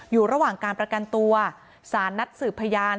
อยู่ระหว่างการประกันตัวสารนัดสืบพยาน